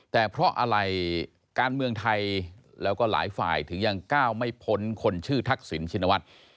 แต่เพราะอะไรการเมืองไทยแล้วก็หลายฝ่ายถึงยังก้าวไม่พ้นคนชื่อทักษิณชินวัฒน์